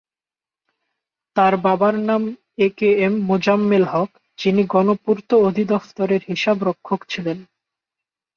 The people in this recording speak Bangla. তার বাবার নাম একেএম মোজাম্মেল হক, যিনি গণপূর্ত অধিদফতরের হিসাবরক্ষক ছিলেন।